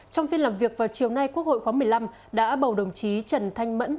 trong phiên làm việc vào chiều nay quốc hội khóa một mươi năm đã bầu đồng chí trần thanh mẫn